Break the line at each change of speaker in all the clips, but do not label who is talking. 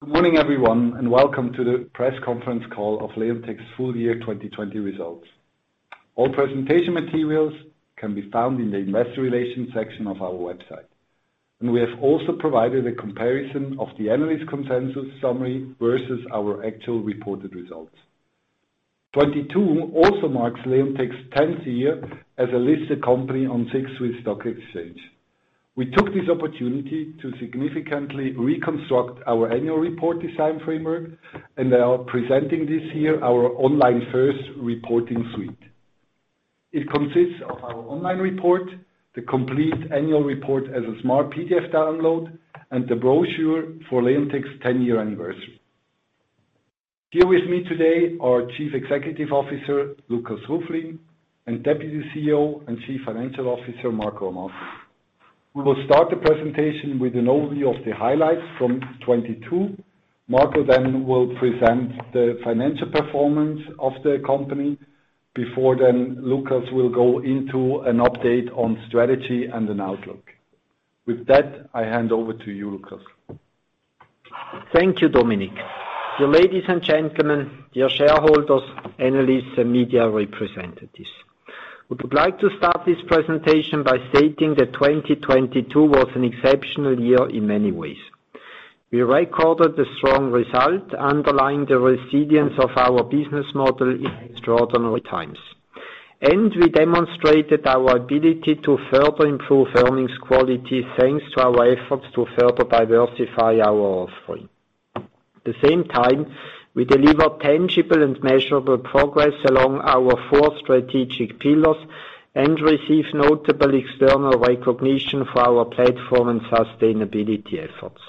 Good morning, everyone, and welcome to the press conference call of Leonteq's full year 2020 results. All presentation materials can be found in the Investor Relations section of our website. We have also provided a comparison of the analyst consensus summary versus our actual reported results. 2022 also marks Leonteq's 10th year as a listed company on SIX Swiss Exchange. We took this opportunity to significantly reconstruct our annual report design framework, and are presenting this year our online first reporting suite. It consists of our online report, the complete annual report as a smart PDF download, and the brochure for Leonteq's 10-year anniversary. Here with me today are Chief Executive Officer Lukas Ruflin and Deputy CEO and Chief Financial Officer Marco Amato. We will start the presentation with an overview of the highlights from 2022. Marco then will present the financial performance of the company before then Lukas will go into an update on strategy and an outlook. I hand over to you, Lukas.
Thank you, Dominik. Dear ladies and gentlemen, dear shareholders, analysts, and media representatives, we would like to start this presentation by stating that 2022 was an exceptional year in many ways. We recorded a strong result underlying the resilience of our business model in extraordinary times. We demonstrated our ability to further improve earnings quality, thanks to our efforts to further diversify our offering. At the same time, we deliver tangible and measurable progress along our four strategic pillars and receive notable external recognition for our platform and sustainability efforts.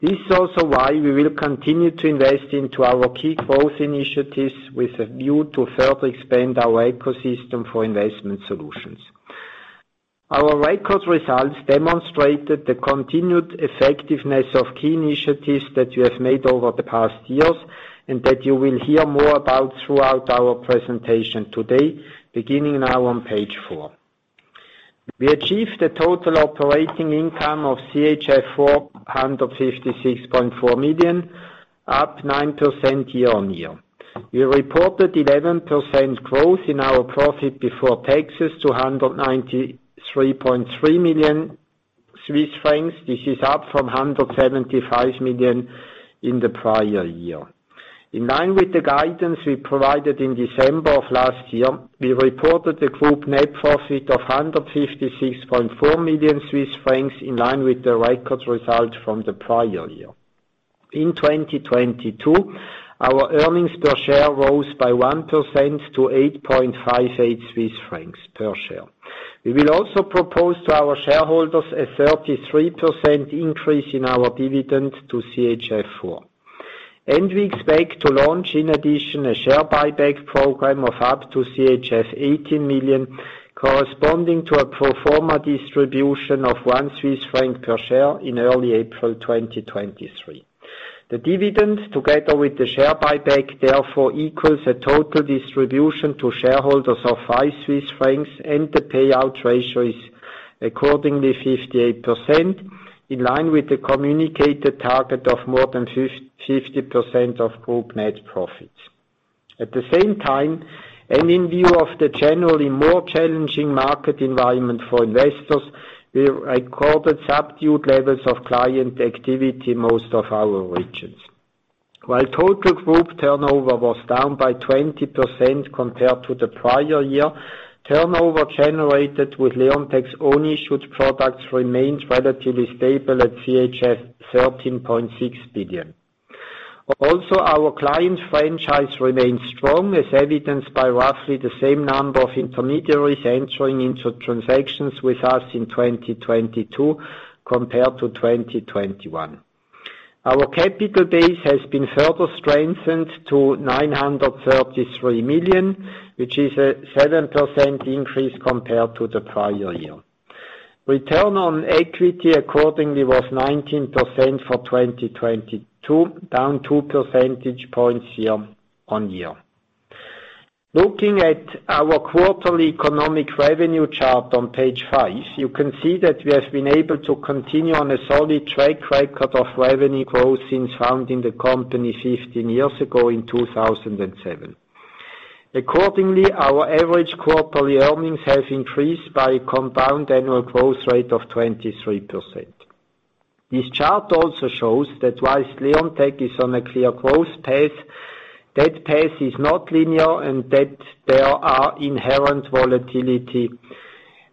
This is also why we will continue to invest into our key growth initiatives with a view to further expand our ecosystem for investment solutions. Our record results demonstrated the continued effectiveness of key initiatives that we have made over the past years, and that you will hear more about throughout our presentation today, beginning now on page four. We achieved a total operating income of CHF 456.4 million, up 9% year-over-year. We reported 11% growth in our profit before taxes to 193.3 million Swiss francs. This is up from 175 million in the prior year. In line with the guidance we provided in December of last year, we reported a group net profit of 156.4 million Swiss francs in line with the record result from the prior year. In 2022, our earnings per share rose by 1% to CHF 8.58 per share. We will also propose to our shareholders a 33% increase in our dividend to CHF 4. We expect to launch, in addition, a share buyback program of up to CHF 18 million, corresponding to a pro forma distribution of 1 Swiss franc per share in early April 2023. The dividend, together with the share buyback, therefore equals a total distribution to shareholders of 5 Swiss francs, and the payout ratio is accordingly 58%, in line with the communicated target of more than 50% of group net profits. At the same time, in view of the generally more challenging market environment for investors, we recorded subdued levels of client activity in most of our regions. While total group turnover was down by 20% compared to the prior year, turnover generated with Leonteq's own issued products remained relatively stable at CHF 13.6 billion. Also our client franchise remained strong, as evidenced by roughly the same number of intermediaries entering into transactions with us in 2022 compared to 2021. Our capital base has been further strengthened to 933 million, which is a 7% increase compared to the prior year. Return on equity, accordingly, was 19% for 2022, down 2 percentage points year-on-year. Looking at our quarterly economic revenue chart on page five, you can see that we have been able to continue on a solid track record of revenue growth since founding the company 15 years ago in 2007. Accordingly, our average quarterly earnings have increased by compound annual growth rate of 23%. This chart also shows that whilst Leonteq is on a clear growth path, that path is not linear and that there are inherent volatility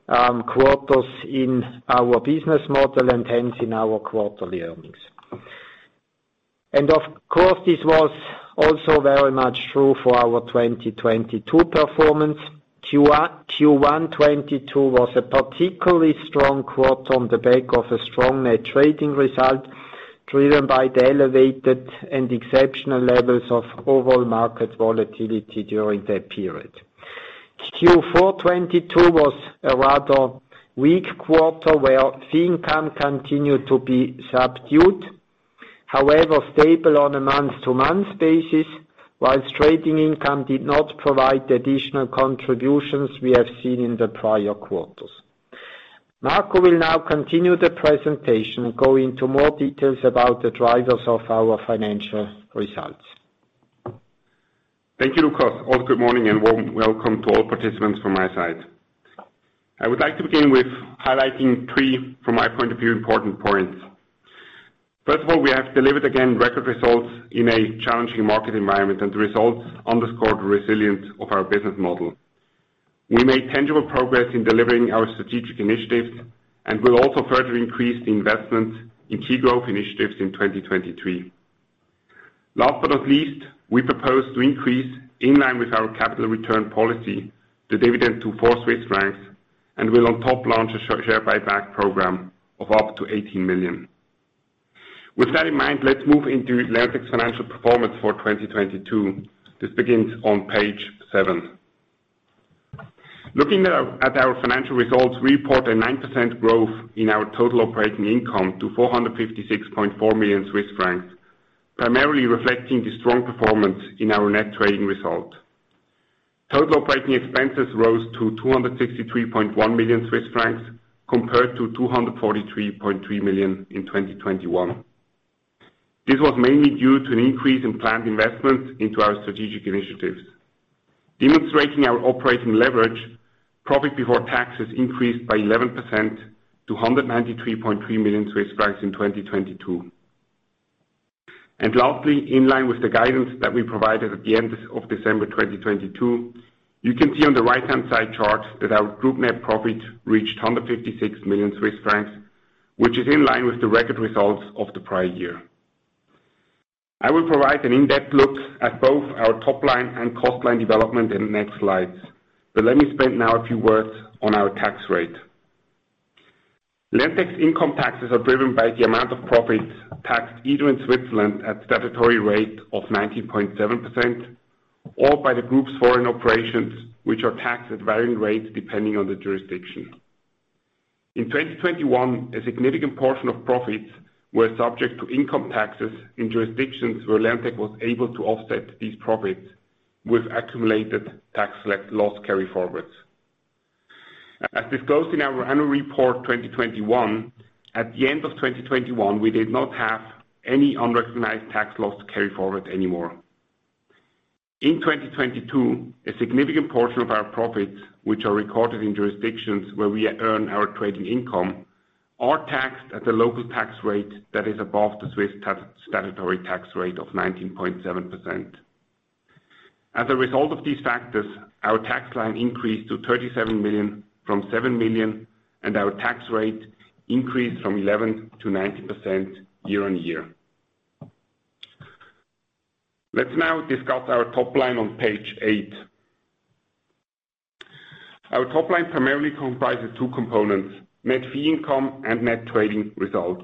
quarters in our business model and hence in our quarterly earnings. Of course, this was also very much true for our 2022 performance. Q1 2022 was a particularly strong quarter on the back of a strong net trading result, driven by the elevated and exceptional levels of overall market volatility during that period. Q4 2022 was a rather weak quarter where fee income continued to be subdued. However, stable on a month-to-month basis, whilst trading income did not provide the additional contributions we have seen in the prior quarters. Marco will now continue the presentation and go into more details about the drivers of our financial results.
Thank you, Lukas. Also good morning and warm welcome to all participants from my side. I would like to begin with highlighting three, from my point of view, important points. First of all, we have delivered again record results in a challenging market environment, and the results underscore the resilience of our business model. We made tangible progress in delivering our strategic initiatives, and will also further increase the investments in key growth initiatives in 2023. Last but not least, we propose to increase in line with our capital return policy, the dividend to 4 Swiss francs, and will on top launch a share buyback program of up to 18 million. With that in mind, let's move into Leonteq's financial performance for 2022. This begins on page seven. Looking at our financial results, we report a 9% growth in our total operating income to 456.4 million Swiss francs, primarily reflecting the strong performance in our net trading result. Total operating expenses rose to 263.1 million Swiss francs compared to 243.3 million in 2021. This was mainly due to an increase in planned investments into our strategic initiatives. Demonstrating our operating leverage, profit before taxes increased by 11% to 193.3 million Swiss francs in 2022. Lastly, in line with the guidance that we provided at the end of December 2022, you can see on the right-hand side charts that our group net profit reached 156 million Swiss francs, which is in line with the record results of the prior year. I will provide an in-depth look at both our top line and cost line development in the next slides. Let me spend now a few words on our tax rate. Leonteq's income taxes are driven by the amount of profits taxed either in Switzerland at statutory rate of 19.7%, or by the group's foreign operations, which are taxed at varying rates depending on the jurisdiction. In 2021, a significant portion of profits were subject to income taxes in jurisdictions where Leonteq was able to offset these profits with accumulated tax loss carryforwards. As disclosed in our annual report 2021, at the end of 2021, we did not have any unrecognized tax loss carryforward anymore. In 2022, a significant portion of our profits, which are recorded in jurisdictions where we earn our trading income, are taxed at the local tax rate that is above the Swiss statutory tax rate of 19.7%. As a result of these factors, our tax line increased to 37 million from 7 million, and our tax rate increased from 11%-19% year-on-year. Let's now discuss our top line on page eight. Our top line primarily comprises two components, net fee income and net trading result.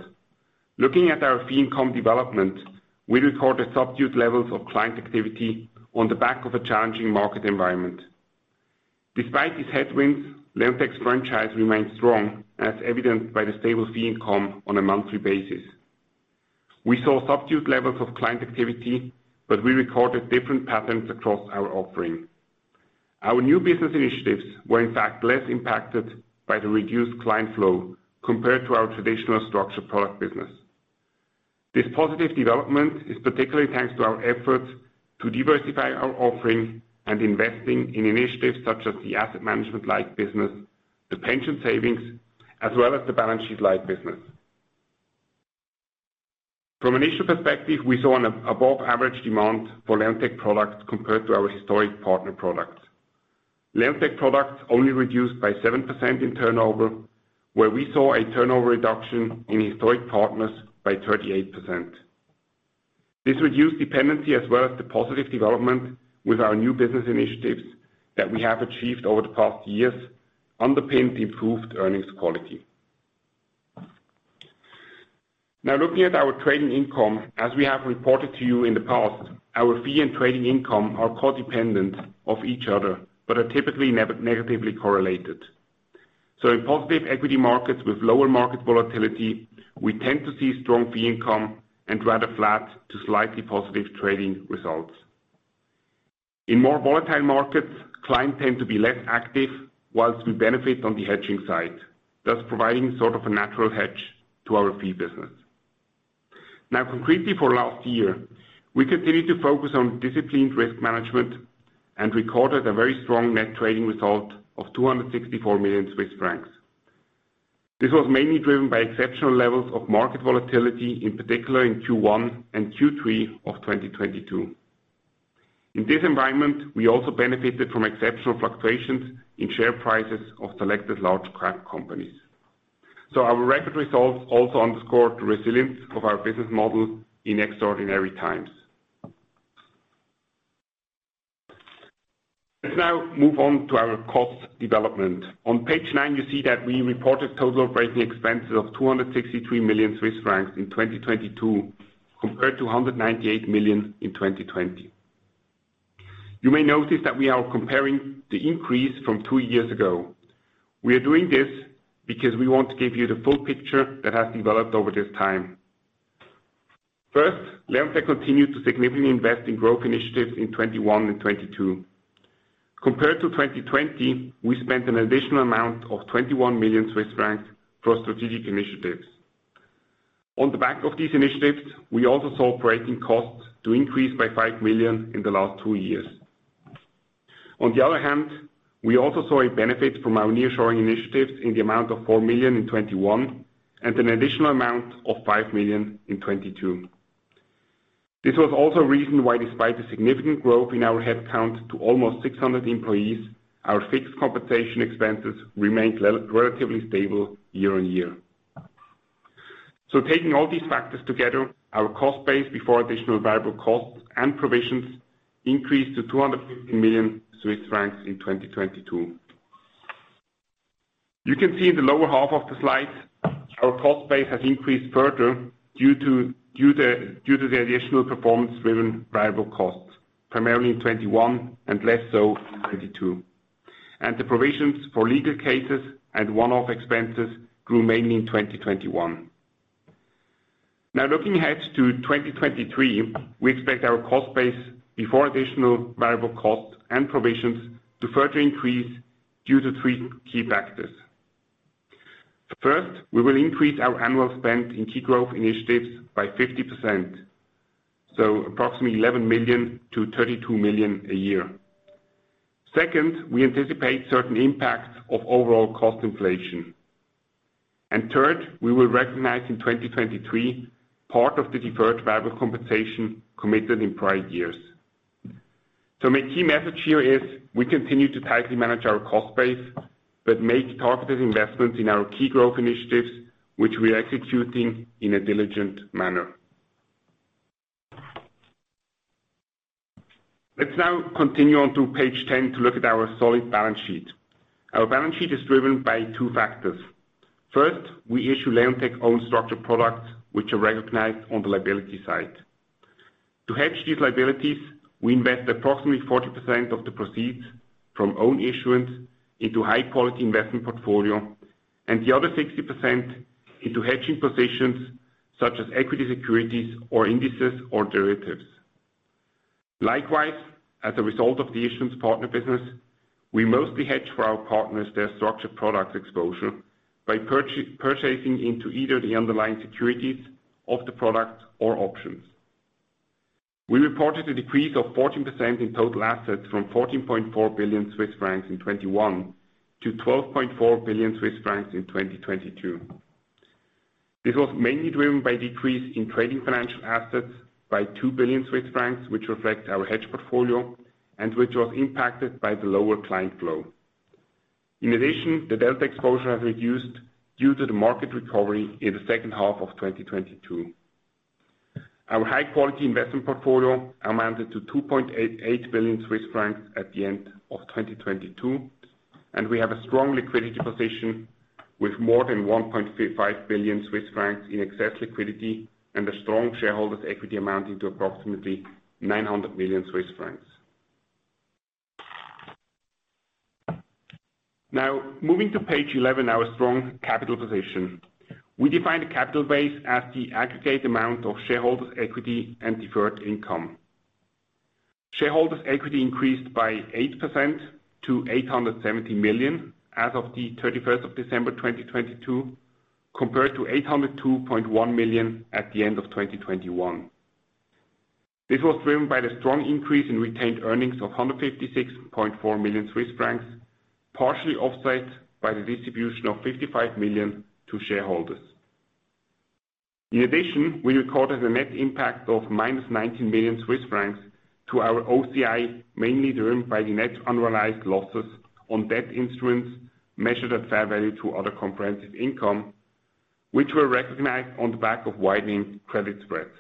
Looking at our fee income development, we recorded subdued levels of client activity on the back of a challenging market environment. Despite these headwinds, Leonteq's franchise remains strong, as evidenced by the stable fee income on a monthly basis. We recorded different patterns across our offering. Our new business initiatives were in fact less impacted by the reduced client flow compared to our traditional structured product business. This positive development is particularly thanks to our efforts to diversify our offering and investing in initiatives such as the asset management light, the pension savings, as well as the balance sheet light. From an issue perspective, we saw an above average demand for Leonteq products compared to our historic partner products. Leonteq products only reduced by 7% in turnover, where we saw a turnover reduction in historic partners by 38%. This reduced dependency as well as the positive development with our new business initiatives that we have achieved over the past years underpins improved earnings quality. Looking at our trading income, as we have reported to you in the past, our fee and trading income are codependent of each other, but are typically negatively correlated. In positive equity markets with lower market volatility, we tend to see strong fee income and rather flat to slightly positive trading results. In more volatile markets, clients tend to be less active whilst we benefit on the hedging side, thus providing sort of a natural hedge to our fee business. Concretely for last year, we continued to focus on disciplined risk management and recorded a very strong net trading result of 264 million Swiss francs. This was mainly driven by exceptional levels of market volatility, in particular in Q1 and Q3 of 2022. In this environment, we also benefited from exceptional fluctuations in share prices of selected large cap companies. Our record results also underscore the resilience of our business model in extraordinary times. Let's now move on to our cost development. On page nine, you see that we reported total operating expenses of 263 million Swiss francs in 2022, compared to 198 million in 2020. You may notice that we are comparing the increase from two years ago. We are doing this because we want to give you the full picture that has developed over this time. Leonteq continued to significantly invest in growth initiatives in 2021 and 2022. Compared to 2020, we spent an additional amount of 21 million Swiss francs for strategic initiatives. On the back of these initiatives, we also saw operating costs to increase by 5 million in the last two years. On the other hand, we also saw a benefit from our nearshoring initiatives in the amount of 4 million in 2021, and an additional amount of 5 million in 2022. This was also a reason why despite the significant growth in our headcount to almost 600 employees, our fixed compensation expenses remained relatively stable year-on-year. Taking all these factors together, our cost base before additional variable costs and provisions increased to 250 million Swiss francs in 2022. You can see in the lower half of the slide our cost base has increased further due to the additional performance-driven variable costs, primarily in 2021 and less so in 2022. The provisions for legal cases and one-off expenses grew mainly in 2021. Looking ahead to 2023, we expect our cost base before additional variable costs and provisions to further increase due to three key factors. First, we will increase our annual spend in key growth initiatives by 50%, so approximately 11 million-32 million a year. Second, we anticipate certain impacts of overall cost inflation. Third, we will recognize in 2023 part of the deferred variable compensation committed in prior years. My key message here is we continue to tightly manage our cost base but make targeted investments in our key growth initiatives, which we are executing in a diligent manner. Let's now continue on to page 10 to look at our solid balance sheet. Our balance sheet is driven by two factors. First, we issue Leonteq own structured products which are recognized on the liability side. To hedge these liabilities, we invest approximately 40% of the proceeds from own issuance into high-quality investment portfolio, and the other 60% into hedging positions such as equity securities or indices or derivatives. Likewise, as a result of the issuance partner business, we mostly hedge for our partners their structured products exposure by purchasing into either the underlying securities of the product or options. We reported a decrease of 14% in total assets from 14.4 billion Swiss francs in 2021 to 12.4 billion Swiss francs in 2022. This was mainly driven by decrease in trading financial assets by 2 billion Swiss francs, which reflect our hedge portfolio and which was impacted by the lower client flow. The delta exposure has reduced due to the market recovery in the second half of 2022. Our high-quality investment portfolio amounted to 2.88 billion Swiss francs at the end of 2022. We have a strong liquidity position with more than 1.5 billion Swiss francs in excess liquidity and a strong shareholders' equity amounting to approximately 900 million Swiss francs. Moving to page 11, our strong capital position. We define the capital base as the aggregate amount of shareholders' equity and deferred income. Shareholders' equity increased by 8% to 870 million as of the 31st of December 2022, compared to 802.1 million at the end of 2021. This was driven by the strong increase in retained earnings of 156.4 million Swiss francs, partially offset by the distribution of 55 million to shareholders. We recorded a net impact of -19 million Swiss francs to our OCI, mainly driven by the net unrealized losses on debt instruments measured at fair value to other comprehensive income, which were recognized on the back of widening credit spreads.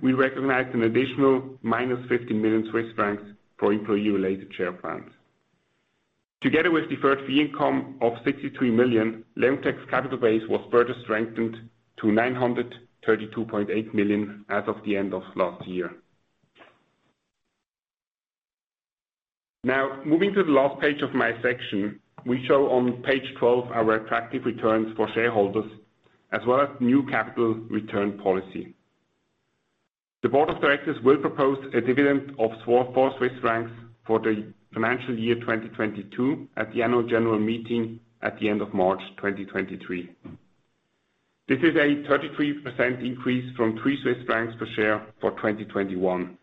We recognized an additional -50 million Swiss francs for employee-related share plans. Together with deferred fee income of 63 million, Leonteq's capital base was further strengthened to 932.8 million as of the end of last year. Moving to the last page of my section, we show on page 12 our attractive returns for shareholders as well as new capital return policy. The board of directors will propose a dividend of 4 Swiss francs for the financial year 2022 at the annual general meeting at the end of March 2023. This is a 33% increase from 3 Swiss francs per share for 2021.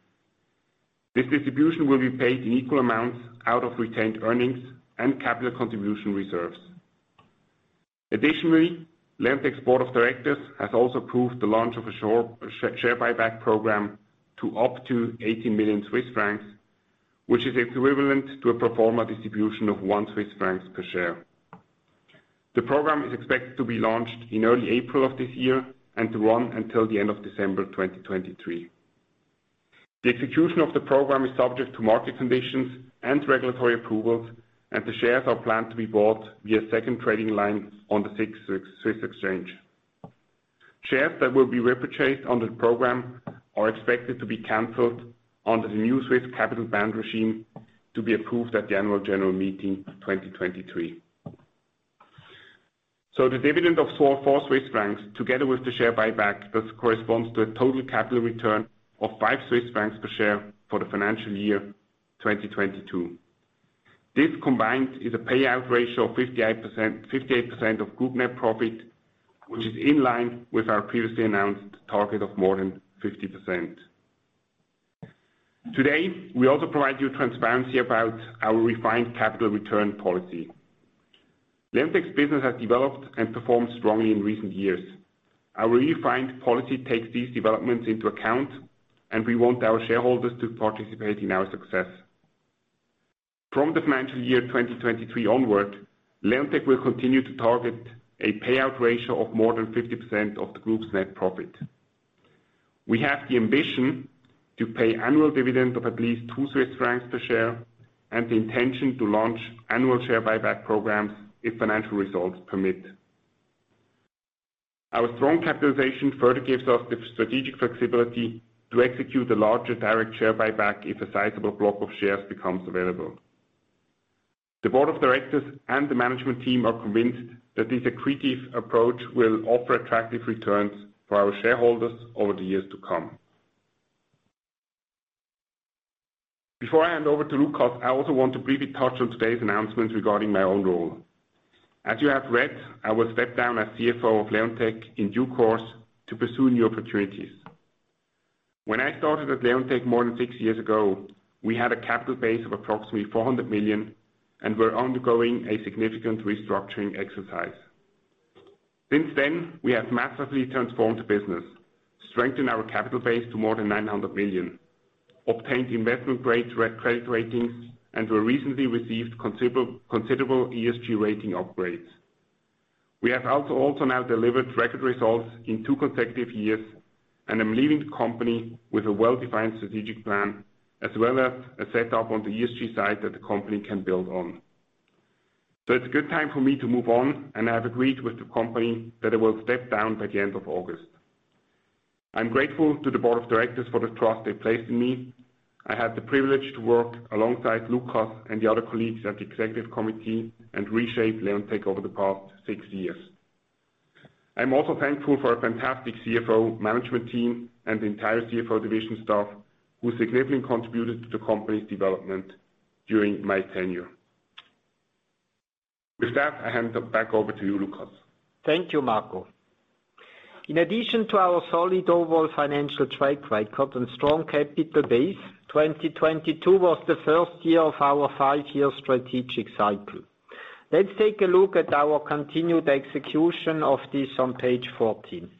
This distribution will be paid in equal amounts out of retained earnings and capital contribution reserves. Leonteq's board of directors has also approved the launch of a share buyback program to up to 80 million Swiss francs, which is equivalent to a pro forma distribution of 1 Swiss francs per share. The program is expected to be launched in early April of this year and to run until the end of December 2023. The execution of the program is subject to market conditions and regulatory approvals. The shares are planned to be bought via second trading line on the SIX Swiss Exchange. Shares that will be repurchased under the program are expected to be canceled under the new Swiss capital band regime to be approved at the annual general meeting of 2023. The dividend of 4 Swiss francs, together with the share buyback, this corresponds to a total capital return of 5 Swiss francs per share for the financial year 2022. This combined is a payout ratio of 58% of group net profit, which is in line with our previously announced target of more than 50%. Today, we also provide you transparency about our refined capital return policy. Leonteq's business has developed and performed strongly in recent years. Our refined policy takes these developments into account, and we want our shareholders to participate in our success. From the financial year 2023 onward, Leonteq will continue to target a payout ratio of more than 50% of the group's net profit. We have the ambition to pay annual dividend of at least 2 Swiss francs per share, and the intention to launch annual share buyback programs if financial results permit. Our strong capitalization further gives us the strategic flexibility to execute a larger direct share buyback if a sizable block of shares becomes available. The board of directors and the management team are convinced that this accretive approach will offer attractive returns for our shareholders over the years to come. Before I hand over to Lukas Ruflin, I also want to briefly touch on today's announcement regarding my own role. As you have read, I will step down as CFO of Leonteq in due course to pursue new opportunities. When I started at Leonteq more than six years ago, we had a capital base of approximately 400 million and were undergoing a significant restructuring exercise. Since then, we have massively transformed the business, strengthened our capital base to more than 900 million, obtained investment-grade credit ratings, and we recently received considerable ESG rating upgrades. We have also now delivered record results in two consecutive years, I'm leaving the company with a well-defined strategic plan as well as a set up on the ESG side that the company can build on. It's a good time for me to move on, I have agreed with the company that I will step down by the end of August. I'm grateful to the board of directors for the trust they placed in me. I had the privilege to work alongside Lukas and the other colleagues at the executive committee and reshape Leonteq over the past six years. I'm also thankful for a fantastic CFO management team and the entire CFO division staff who significantly contributed to the company's development during my tenure. With that, I hand it back over to you, Lukas.
Thank you, Marco. In addition to our solid overall financial track record and strong capital base, 2022 was the first year of our fiveyear strategic cycle. Let's take a look at our continued execution of this on page 14.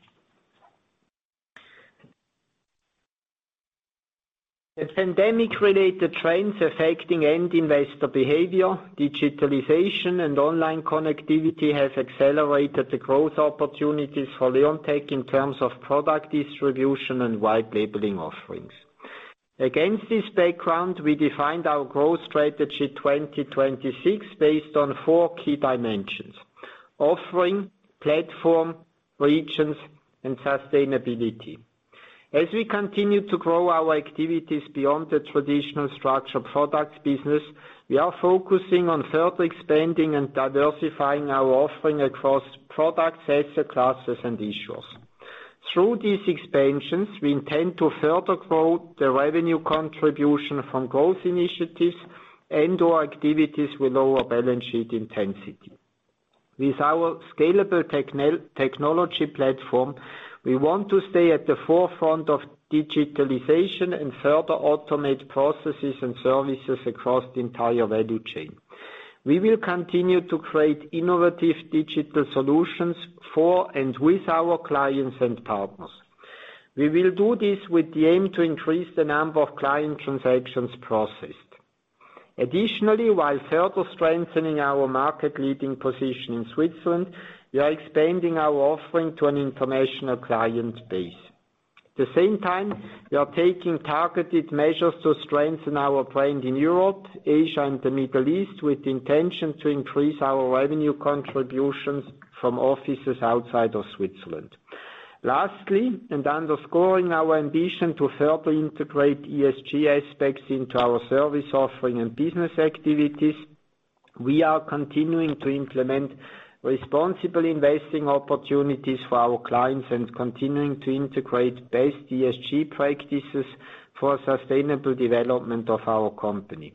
The pandemic-related trends affecting end investor behavior, digitalization, and online connectivity has accelerated the growth opportunities for Leonteq in terms of product distribution and white-labelling offerings. Against this background, we defined our growth strategy 2026 based on four key dimensions: offering, platform, regions, and sustainability. As we continue to grow our activities beyond the traditional structured products business, we are focusing on further expanding and diversifying our offering across products, asset classes, and issuers. Through these expansions, we intend to further grow the revenue contribution from growth initiatives and/or activities with lower balance sheet intensity. With our scalable technology platform, we want to stay at the forefront of digitalization and further automate processes and services across the entire value chain. We will continue to create innovative digital solutions for and with our clients and partners. We will do this with the aim to increase the number of client transactions processed. Additionally, while further strengthening our market-leading position in Switzerland, we are expanding our offering to an international client base. At the same time, we are taking targeted measures to strengthen our brand in Europe, Asia, and the Middle East, with the intention to increase our revenue contributions from offices outside of Switzerland. Lastly, underscoring our ambition to further integrate ESG aspects into our service offering and business activities, we are continuing to implement responsible investing opportunities for our clients and continuing to integrate best ESG practices for sustainable development of our company.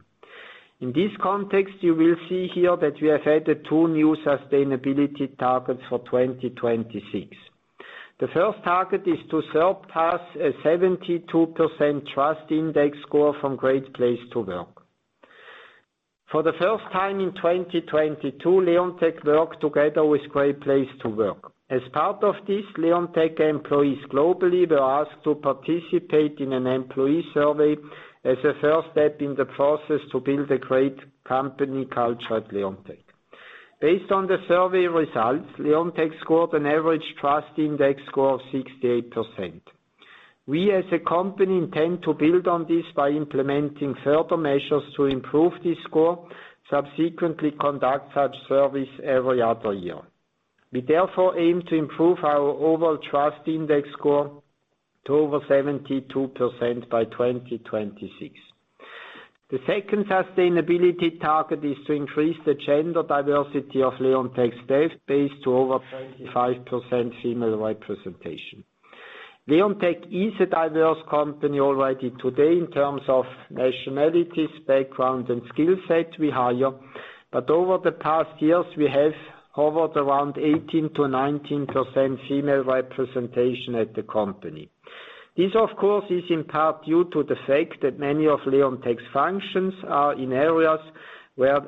In this context, you will see here that we have added two new sustainability targets for 2026. The first target is to surpass a 72% Trust Index score from Great Place to Work. For the first time in 2022, Leonteq worked together with Great Place to Work. As part of this, Leonteq employees globally were asked to participate in an employee survey as a first step in the process to build a great company culture at Leonteq. Based on the survey results, Leonteq scored an average Trust Index score of 68%. We, as a company, intend to build on this by implementing further measures to improve this score, subsequently conduct such surveys every other year. We therefore aim to improve our overall Trust Index score to over 72% by 2026. The second sustainability target is to increase the gender diversity of Leonteq's staff base to over 25% female representation. Leonteq is a diverse company already today in terms of nationalities, background, and skill set we hire. Over the past years, we have hovered around 18%-19% female representation at the company. This, of course, is in part due to the fact that many of Leonteq's functions are in areas where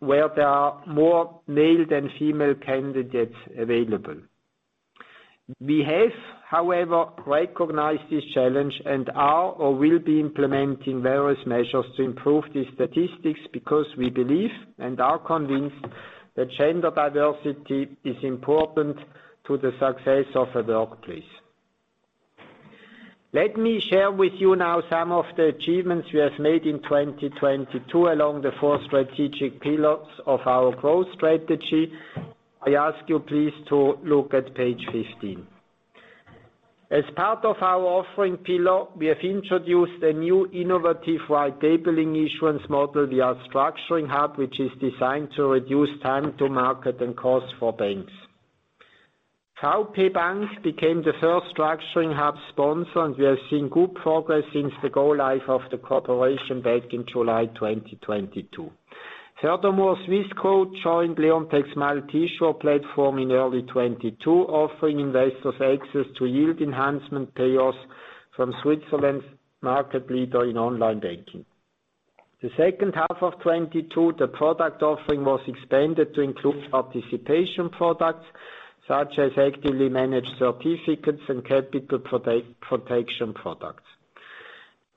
there are more male than female candidates available. We have, however, recognized this challenge and are or will be implementing various measures to improve these statistics because we believe and are convinced that gender diversity is important to the success of a workplace. Let me share with you now some of the achievements we have made in 2022 along the four strategic pillars of our growth strategy. I ask you please to look at page 15. As part of our offering pillar, we have introduced a new innovative white-labelling issuance model, via structuringHUB, which is designed to reduce time to market and cost for banks. VP Bank became the first structuringHUB sponsor, we are seeing good progress since the go live of the cooperation back in July 2022. Swissquote joined Leonteq's multi-issuer platform in early 2022, offering investors access to yield enhancement payoffs from Switzerland's market leader in online banking. The second half of 2022, the product offering was expanded to include participation products such as actively managed certificates and capital protection products.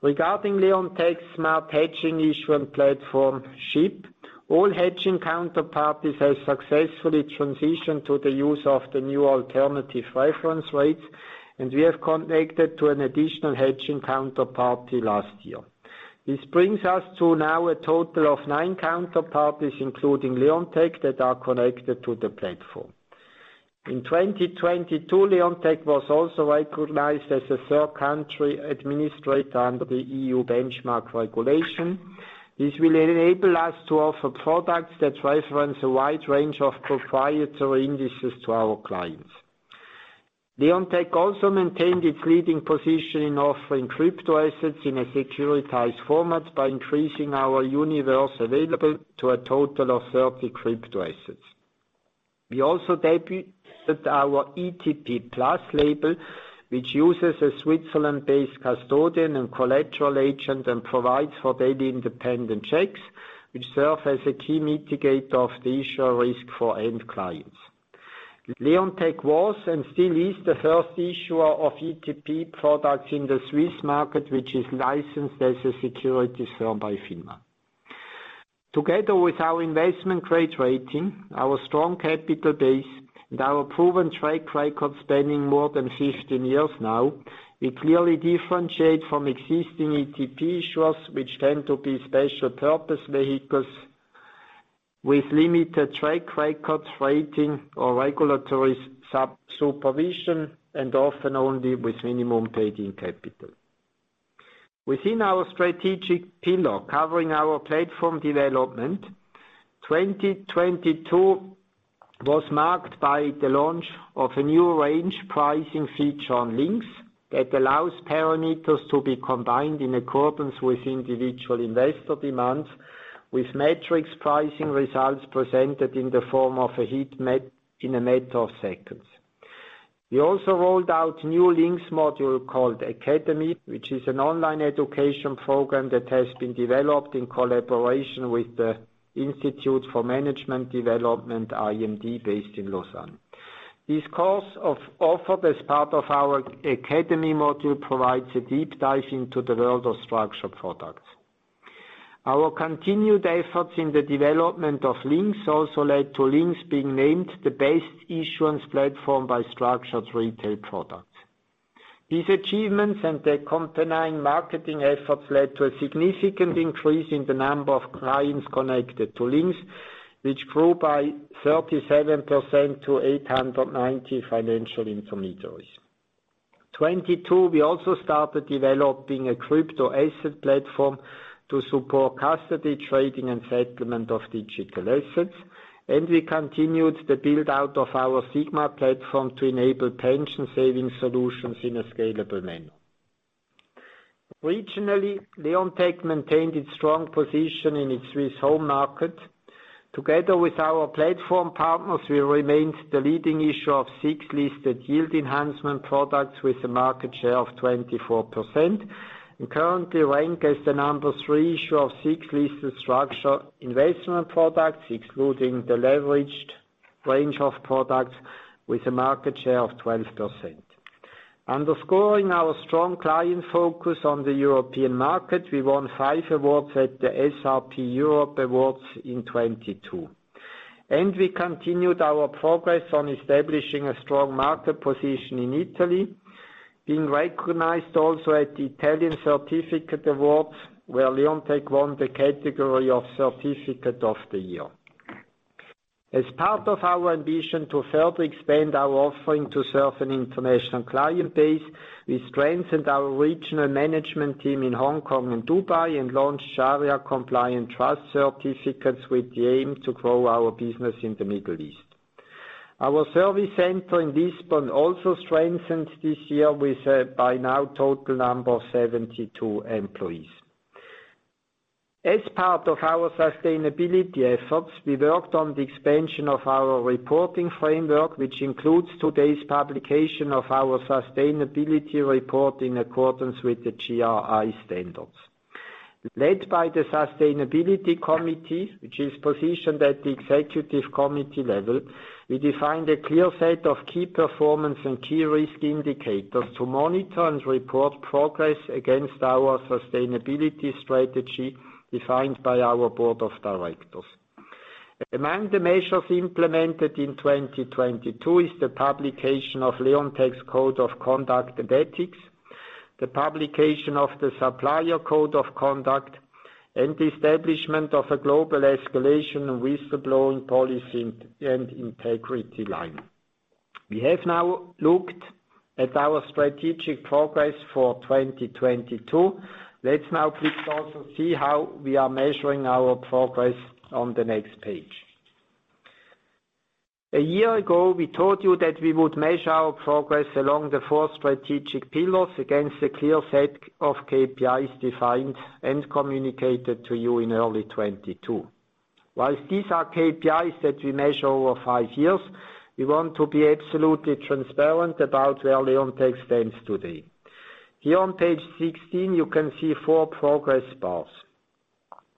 Regarding Leonteq's Smart Hedging Issuance Platform, SHIP, all hedging counterparties have successfully transitioned to the use of the new alternative reference rates. We have connected to an additional hedging counterparty last year. This brings us to now a total of nine counterparties, including Leonteq, that are connected to the platform. In 2022, Leonteq was also recognized as a third country administrator under the E.U. Benchmarks Regulation. This will enable us to offer products that reference a wide range of proprietary indices to our clients. Leonteq also maintained its leading position in offering crypto assets in a securitized format by increasing our universe available to a total of 30 crypto assets. We also debuted our ETP+ label, which uses a Switzerland-based custodian and collateral agent and provides for daily independent checks, which serve as a key mitigator of the issuer risk for end clients. Leonteq was and still is the first issuer of ETP products in the Swiss market, which is licensed as a securities firm by FINMA. Together with our investment-grade rating, our strong capital base, and our proven track record spanning more than 15 years now, we clearly differentiate from existing ETP issuers, which tend to be special-purpose vehicles with limited track records, rating, or regulatory sub-supervision, and often only with minimum paid-in capital. Within our strategic pillar covering our platform development, 2022 was marked by the launch of a new range pricing feature on LynQs that allows parameters to be combined in accordance with individual investor demands, with metrics pricing results presented in the form of a heat map in a matter of seconds. We also rolled out new LynQs module called Academy, which is an online education program that has been developed in collaboration with the International Institute for Management Development, IMD, based in Lausanne. This course offered as part of our Academy module provides a deep dive into the world of structured products. Our continued efforts in the development of LynQs also led to LynQs being named the best issuance platform by Structured Retail Products. These achievements and the accompanying marketing efforts led to a significant increase in the number of clients connected to LynQs, which grew by 37% to 890 financial intermediaries. 2022, we also started developing a crypto asset platform to support custody, trading, and settlement of digital assets. We continued the build-out of our SIGMA platform to enable pension savings solutions in a scalable manner. Regionally, Leonteq maintained its strong position in its Swiss home market. Together with our platform partners, we remained the leading issuer of SIX listed yield enhancement products with a market share of 24%, and currently rank as the number three issuer of SIX listed structured investment products, excluding the leveraged range of products with a market share of 12%. Underscoring our strong client focus on the European market, we won five awards at the SRP Europe Awards in 2022. We continued our progress on establishing a strong market position in Italy, being recognized also at the Italian Certificates Awards, where Leonteq won the category of Certificate of the Year. As part of our ambition to further expand our offering to serve an international client base, we strengthened our regional management team in Hong Kong and Dubai and launched Shari'a-compliant trust certificates with the aim to grow our business in the Middle East. Our service center in Lisbon also strengthened this year with by now total number of 72 employees. As part of our sustainability efforts, we worked on the expansion of our reporting framework, which includes today's publication of our sustainability report in accordance with the GRI standards. Led by the sustainability committee, which is positioned at the executive committee level, we defined a clear set of key performance and key risk indicators to monitor and report progress against our sustainability strategy defined by our board of directors. Among the measures implemented in 2022 is the publication of Leonteq's Code of Conduct and Ethics, the publication of the Supplier Code of Conduct, and the establishment of a global escalation whistleblowing policy and integrity line. We have now looked at our strategic progress for 2022. Let's now please also see how we are measuring our progress on the next page. A year ago, we told you that we would measure our progress along the four strategic pillars against a clear set of KPIs defined and communicated to you in early 2022. While these are KPIs that we measure over five years, we want to be absolutely transparent about where Leonteq stands today. Here on page 16, you can see four progress bars.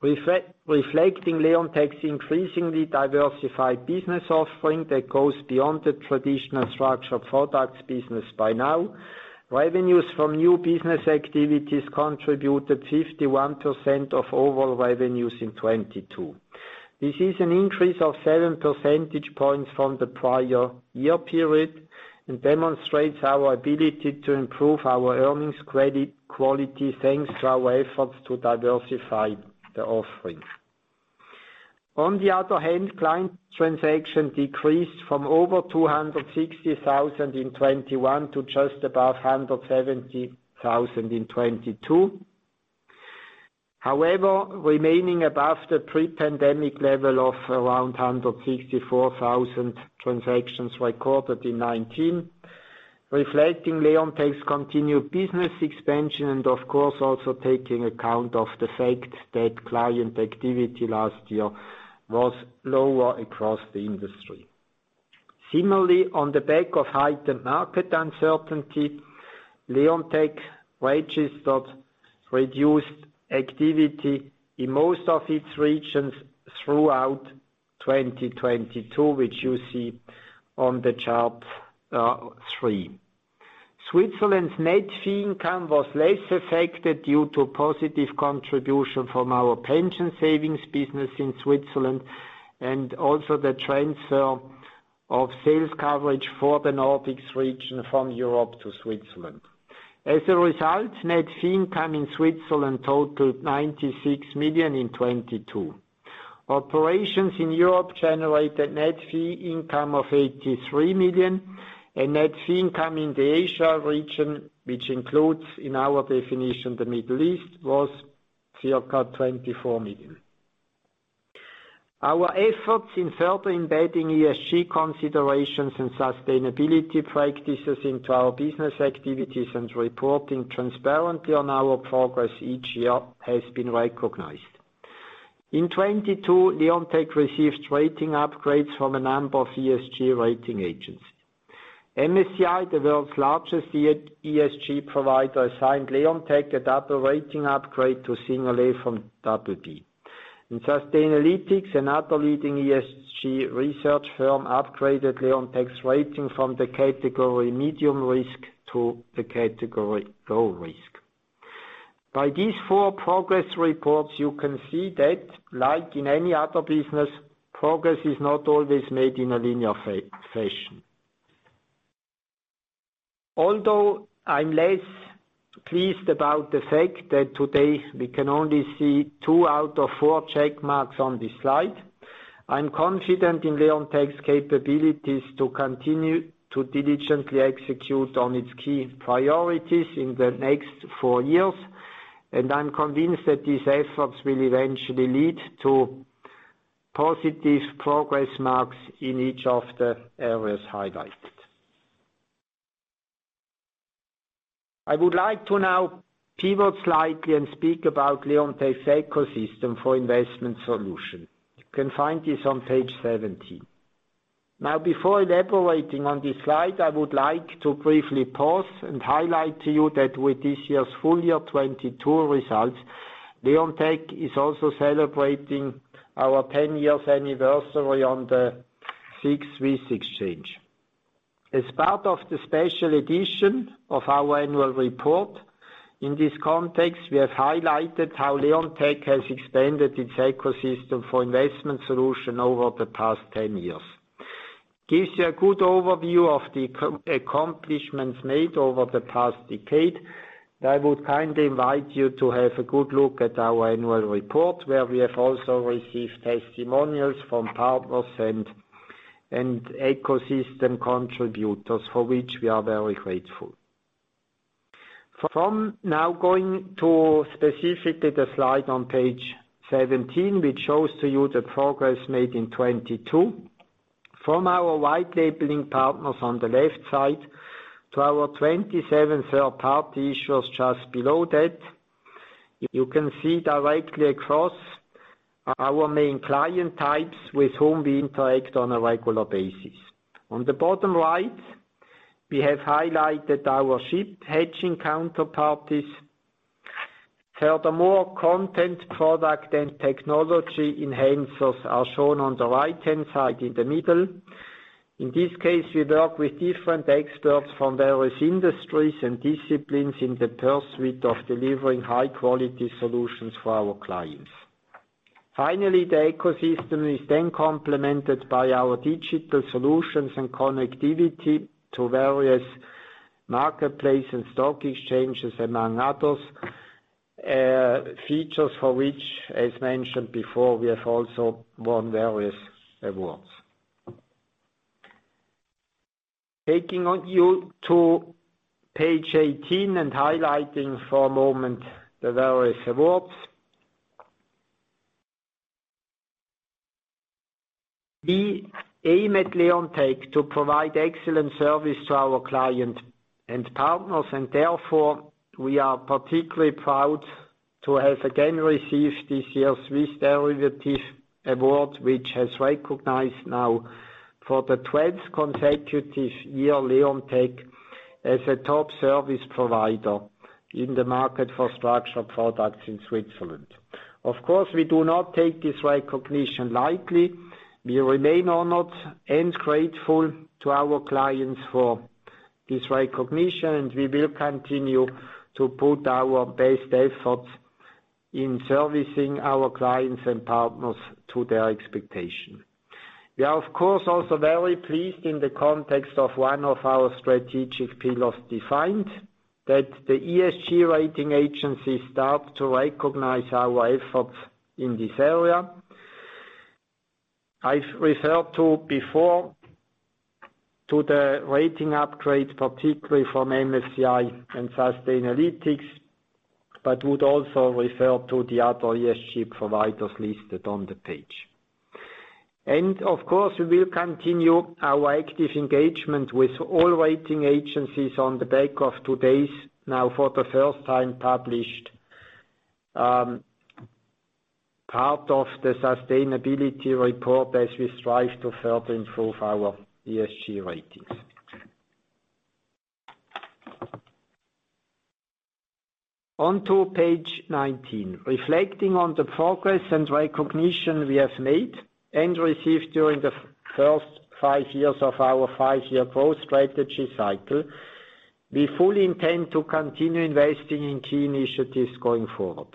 Reflecting Leonteq's increasingly diversified business offering that goes beyond the traditional structured products business by now, revenues from new business activities contributed 51% of overall revenues in 2022. This is an increase of 7 percentage points from the prior year period and demonstrates our ability to improve our earnings credit quality, thanks to our efforts to diversify the offerings. On the other hand, client transaction decreased from over 260,000 in 2021 to just above 170,000 in 2022. Remaining above the pre-pandemic level of around 164,000 transactions recorded in 2019, reflecting Leonteq's continued business expansion and of course, also taking account of the fact that client activity last year was lower across the industry. On the back of heightened market uncertainty, Leonteq registered reduced activity in most of its regions throughout 2022, which you see on the chart three. Switzerland's net fee income was less affected due to positive contribution from our pension savings business in Switzerland and also the transfer of sales coverage for the Nordics region from Europe to Switzerland. As a result, net fee income in Switzerland totaled 96 million in 2022. Operations in Europe generated net fee income of 83 million, and net fee income in the Asia region, which includes in our definition, the Middle East, was circa 24 million. Our efforts in further embedding ESG considerations and sustainability practices into our business activities and reporting transparently on our progress each year has been recognized. In 2022, Leonteq received rating upgrades from a number of ESG rating agencies. MSCI, the world's largest ESG provider, assigned Leonteq a data rating upgrade to A from BB. In Sustainalytics, another leading ESG research firm, upgraded Leonteq's rating from the category medium risk to the category low risk. By these four progress reports, you can see that like in any other business, progress is not always made in a linear fashion. Although I'm less pleased about the fact that today we can only see two out of four check marks on this slide, I'm confident in Leonteq's capabilities to continue to diligently execute on its key priorities in the next four years. I'm convinced that these efforts will eventually lead to positive progress marks in each of the areas highlighted. I would like to now pivot slightly and speak about Leonteq's ecosystem for investment solution. You can find this on page 17. Before elaborating on this slide, I would like to briefly pause and highlight to you that with this year's full year 2022 results, Leonteq is also celebrating our 10 years anniversary on the SIX Swiss Exchange. As part of the special edition of our annual report, in this context, we have highlighted how Leonteq has expanded its ecosystem for investment solution over the past 10 years. Gives you a good overview of the accomplishments made over the past decade. I would kindly invite you to have a good look at our annual report, where we have also received testimonials from partners and ecosystem contributors, for which we are very grateful. Now going to specifically the slide on page 17, which shows to you the progress made in 2022. Our white-labelling partners on the left side to our 27 third-party issuers just below that, you can see directly across our main client types with whom we interact on a regular basis. On the bottom right, we have highlighted our SHIP hedging counterparties. Content, product, and technology enhancers are shown on the right-hand side in the middle. In this case, we work with different experts from various industries and disciplines in the pursuit of delivering high-quality solutions for our clients. The ecosystem is then complemented by our digital solutions and connectivity to various marketplace and stock exchanges, among others, features for which, as mentioned before, we have also won various awards. Taking you to page 18 and highlighting for a moment the various awards. We aim at Leonteq to provide excellent service to our client and partners, therefore, we are particularly proud to have again received this year's Swiss Derivative Award, which has recognized now for the 12th consecutive year Leonteq as a top service provider in the market for structured products in Switzerland. We do not take this recognition lightly. We remain honored and grateful to our clients for this recognition, and we will continue to put our best efforts in servicing our clients and partners to their expectation. We are, of course, also very pleased in the context of one of our strategic pillars defined, that the ESG rating agency start to recognize our efforts in this area. I've referred to before to the rating upgrade, particularly from MSCI and Sustainalytics, but would also refer to the other ESG providers listed on the page. Of course, we will continue our active engagement with all rating agencies on the back of today's, now for the first time, published part of the sustainability report as we strive to further improve our ESG ratings. On to page 19. Reflecting on the progress and recognition we have made and received during the first five years of our five year growth strategy cycle, we fully intend to continue investing in key initiatives going forward.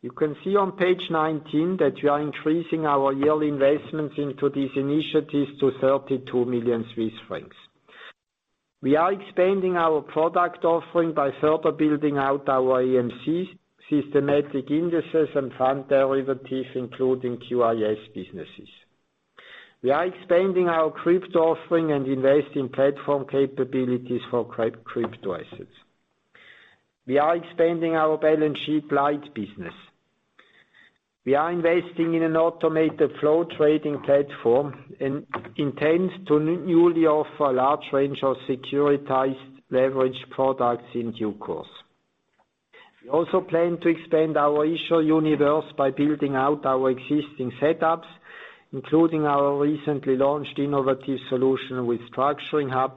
You can see on page 19 that we are increasing our yearly investments into these initiatives to 32 million Swiss francs. We are expanding our product offering by further building out our EMC systematic indices and fund derivatives, including QIS businesses. We are expanding our crypto offering and investing platform capabilities for crypto assets. We are expanding our balance sheet light business. We are investing in an automated flow trading platform and intends to newly offer a large range of securitised leverage products in due course. We also plan to expand our issuer universe by building out our existing setups, including our recently launched innovative solution with structuringHUB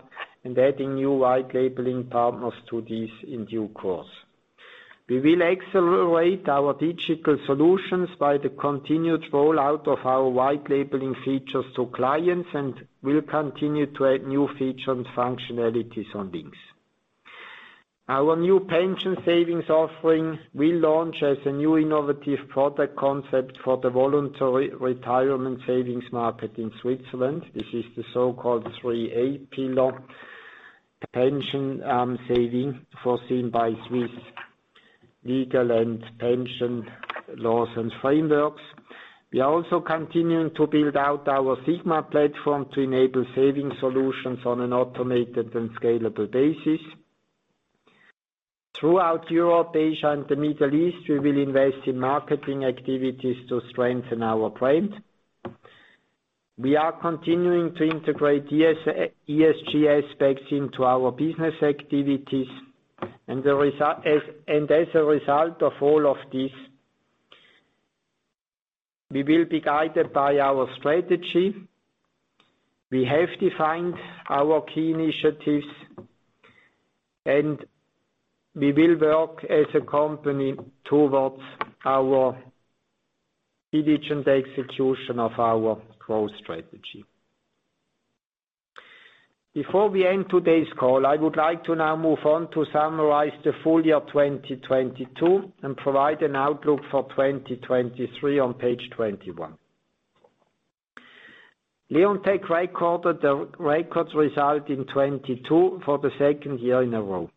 and adding new white-labelling partners to this in due course. We will accelerate our digital solutions by the continued rollout of our white-labelling features to clients, and we'll continue to add new feature and functionalities on LynQs. Our new pension savings offering will launch as a new innovative product concept for the voluntary retirement savings market in Switzerland. This is the so-called Pillar 3a pension saving foreseen by Swiss legal and pension laws and frameworks. We are also continuing to build out our SIGMA platform to enable saving solutions on an automated and scalable basis. Throughout Europe, Asia, and the Middle East, we will invest in marketing activities to strengthen our brand. We are continuing to integrate ESG aspects into our business activities. As a result of all of this, we will be guided by our strategy. We have defined our key initiatives. We will work as a company towards our diligent execution of our growth strategy. Before we end today's call, I would like to now move on to summarize the full year 2022 and provide an outlook for 2023 on page 21. Leonteq recorded a record result in 2022 for the second year in a row.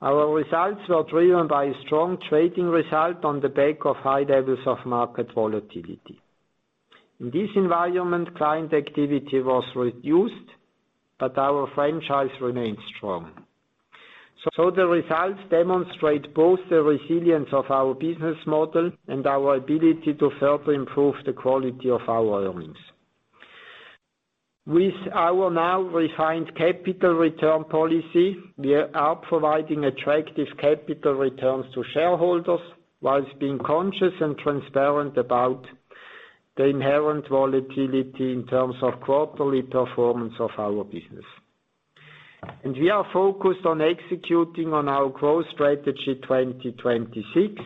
Our results were driven by a strong trading result on the back of high levels of market volatility. In this environment, client activity was reduced, but our franchise remained strong. The results demonstrate both the resilience of our business model and our ability to further improve the quality of our earnings. With our now refined capital return policy, we are providing attractive capital returns to shareholders, while being conscious and transparent about the inherent volatility in terms of quarterly performance of our business. We are focused on executing on our growth strategy 2026,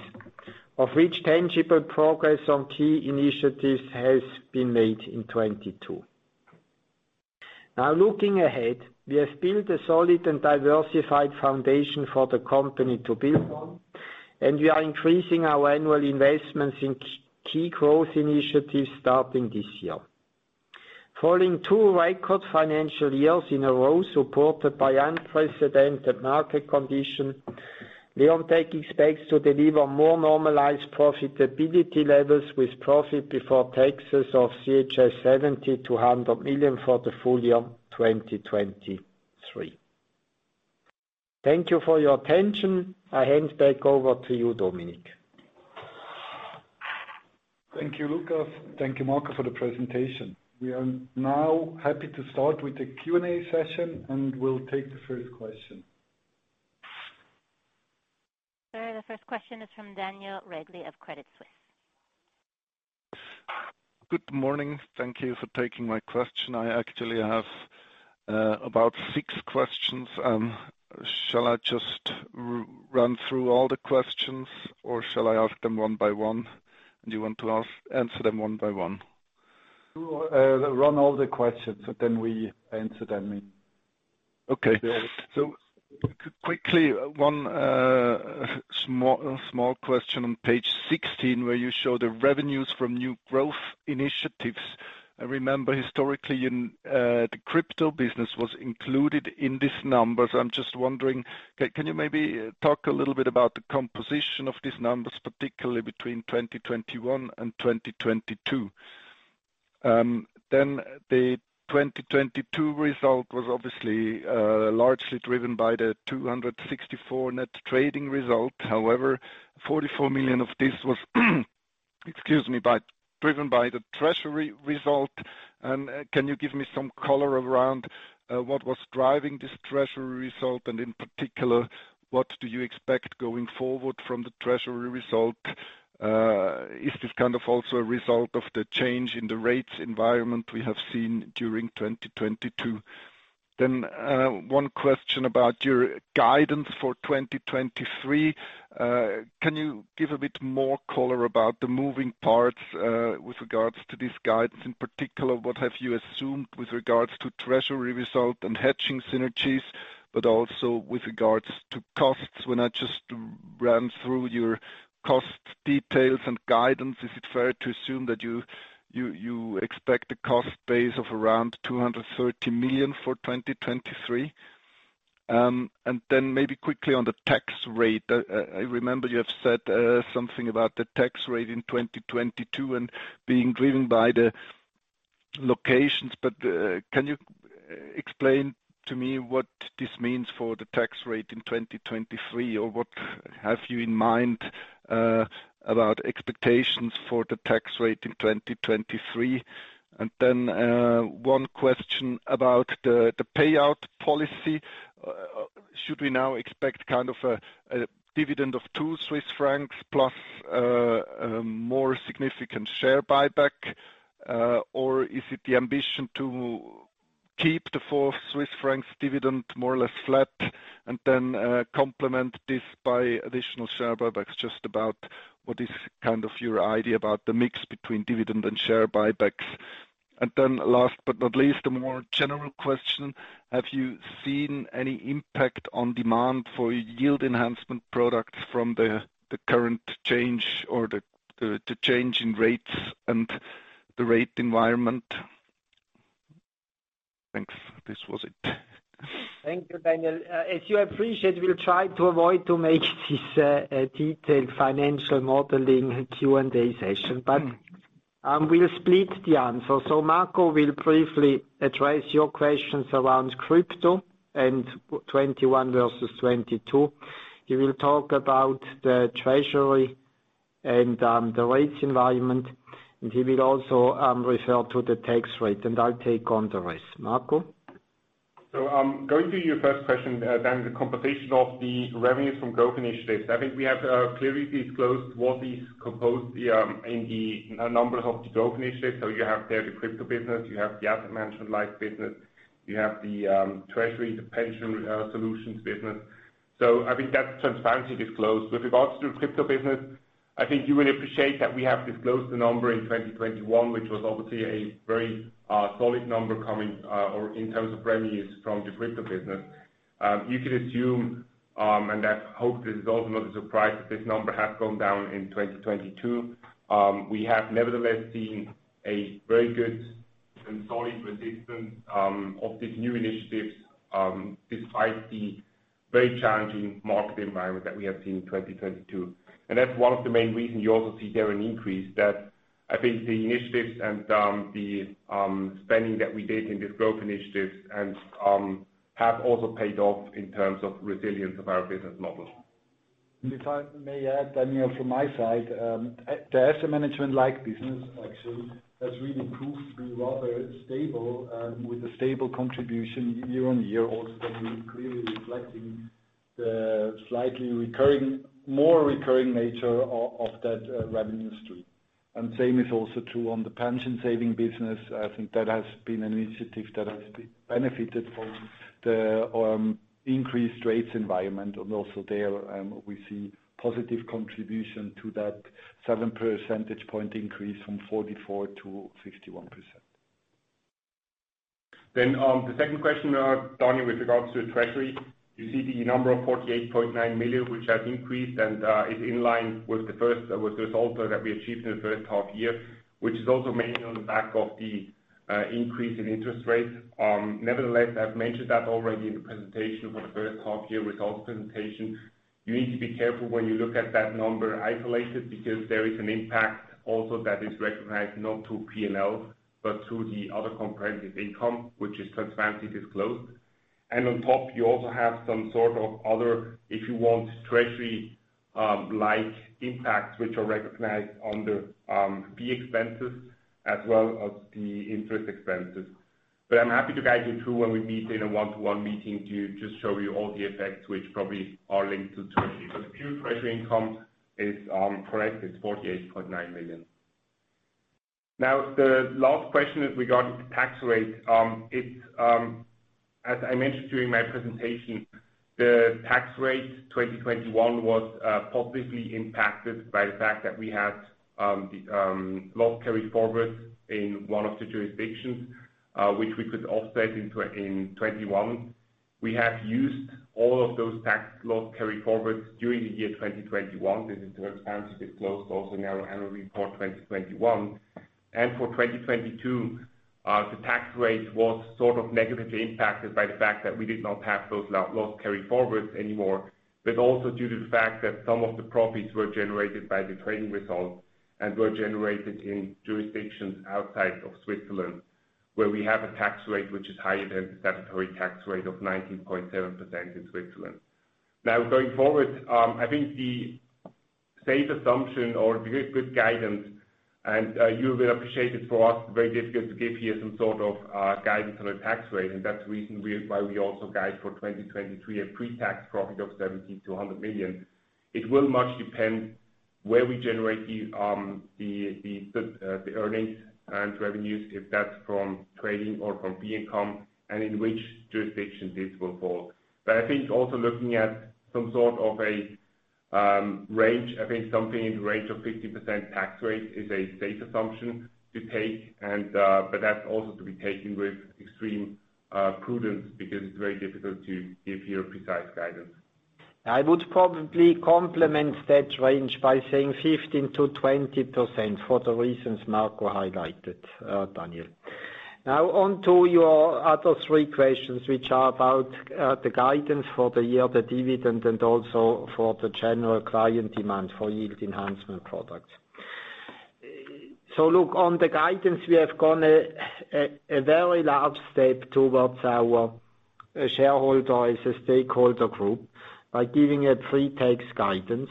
of which tangible progress on key initiatives has been made in 2022. Now looking ahead, we have built a solid and diversified foundation for the company to build on, and we are increasing our annual investments in key growth initiatives starting this year. Following two record financial years in a row, supported by unprecedented market condition, Leonteq expects to deliver more normalized profitability levels with profit before taxes of 70 million-100 million for the full year 2023. Thank you for your attention. I hand back over to you, Dominik.
Thank you, Lukas. Thank you, Marco, for the presentation. We are now happy to start with the Q&A session, and we'll take the first question.
Sir, the first question is from Daniel Regli of Credit Suisse.
Good morning. Thank you for taking my question. I actually have, about six questions. Shall I just run through all the questions or shall I ask them one by one, and you want to answer them one by one?
Run all the questions, but then we answer them.
Quickly, one small question on page 16, where you show the revenues from new growth initiatives. I remember historically in the crypto business was included in this number. I'm just wondering, can you maybe talk a little bit about the composition of these numbers, particularly between 2021 and 2022? The 2022 result was obviously largely driven by the 264 million net trading result. 44 million of this was driven by the treasury result. Can you give me some color around what was driving this treasury result, and in particular, what do you expect going forward from the treasury result? Is this kind of also a result of the change in the rates environment we have seen during 2022? One question about your guidance for 2023. Can you give a bit more color about the moving parts with regards to this guidance? In particular, what have you assumed with regards to treasury result and hedging synergies, but also with regards to costs? When I just ran through your cost details and guidance, is it fair to assume that you expect a cost base of around 230 million for 2023? Then maybe quickly on the tax rate. I remember you have said something about the tax rate in 2022 and being driven by the locations. Can you explain to me what this means for the tax rate in 2023? Or what have you in mind about expectations for the tax rate in 2023? Then one question about the payout policy. Should we now expect kind of a dividend of 2 Swiss francs plus more significant share buyback? Or is it the ambition to keep the 4 Swiss francs dividend more or less flat, and then complement this by additional share buybacks? Just about what is kind of your idea about the mix between dividend and share buybacks. Last but not least, a more general question. Have you seen any impact on demand for yield enhancement products from the current change or the change in rates and the rate environment? Thanks. This was it.
Thank you, Daniel. As you appreciate, we'll try to avoid to make this a detailed financial modeling Q&A session. We'll split the answer. Marco will briefly address your questions around crypto and 21 versus 22. He will talk about the treasury and the rates environment, and he will also refer to the tax rate, and I'll take on the rest. Marco.
Going to your first question, then the composition of the revenues from growth initiatives. I think we have clearly disclosed what is composed here in the number of the growth initiatives. You have there the crypto business, you have the asset management light business, you have the treasury, the pension solutions business. I think that transparency disclosed. With regards to crypto business. I think you will appreciate that we have disclosed the number in 2021, which was obviously a very solid number coming or in terms of revenues from the crypto business. You can assume, and I hope this is also not a surprise, that this number has gone down in 2022. We have nevertheless seen a very good and solid resistance of these new initiatives despite the very challenging market environment that we have seen in 2022. That's one of the main reasons you also see there an increase that I think the initiatives and the spending that we did in these growth initiatives have also paid off in terms of resilience of our business model.
If I may add, Daniel, from my side, the asset management-like business actually has really proved to be rather stable, with a stable contribution year-on-year, also then clearly reflecting the slightly recurring, more recurring nature of that, revenue stream. Same is also true on the pension saving business. I think that has benefited from the, increased rates environment. Also there, we see positive contribution to that 7 percentage point increase from 44%-51%.
The second question, Daniel, with regards to treasury. You see the number of 48.9 million, which has increased and is in line with the first with the results that we achieved in the first half year, which is also mainly on the back of the increase in interest rates. Nevertheless, I've mentioned that already in the presentation for the first half year results presentation. You need to be careful when you look at that number isolated because there is an impact also that is recognized not to PNL, but to the other comprehensive income which is transparently disclosed. On top you also have some sort of other, if you want, treasury, like impacts which are recognized under fee expenses as well as the interest expenses. I'm happy to guide you through when we meet in a one-to-one meeting to just show you all the effects which probably are linked to treasury. The pure treasury income is correct, it's 48.9 million. The last question with regard to tax rate, it's... As I mentioned during my presentation, the tax rate 2021 was positively impacted by the fact that we had the loss carry forward in one of the jurisdictions, which we could offset in 2021. We have used all of those tax loss carry forwards during the year 2021. This is transparently disclosed also in our annual report 2021. For 2022, the tax rate was sort of negatively impacted by the fact that we did not have those loss carry forwards anymore, but also due to the fact that some of the profits were generated by the trading results and were generated in jurisdictions outside of Switzerland, where we have a tax rate which is higher than the statutory tax rate of 19.7% in Switzerland. Going forward, I think the safe assumption or very good guidance and you will appreciate it for us, very difficult to give you some sort of guidance on a tax rate. That's the reason why we also guide for 2023 a pre-tax profit of 70 million-100 million. It will much depend where we generate the earnings and revenues, if that's from trading or from fee income and in which jurisdiction this will fall. I think also looking at some sort of a range, I think something in the range of 50% tax rate is a safe assumption to take. That's also to be taken with extreme prudence because it's very difficult to give you a precise guidance.
I would probably complement that range by saying 15%-20% for the reasons Marco highlighted, Daniel. On to your other three questions which are about the guidance for the year, the dividend, and also for the general client demand for yield enhancement products. Look, on the guidance, we have gone a very large step towards our shareholder as a stakeholder group by giving a pre-tax guidance.